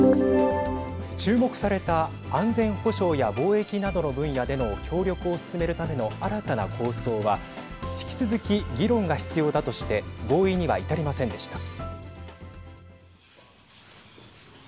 注目された安全保障や貿易などの分野での協力を進めるための新たな構想は引き続き、議論が必要だとして合意には至りませんでした。